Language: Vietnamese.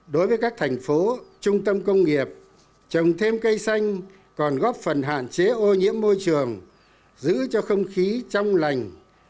đối với các thành phố trung tâm công nghiệp trồng thêm cây xanh còn góp phần hạn chế ô nhiễm môi trường giữ cho không khí trong lành